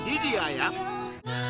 や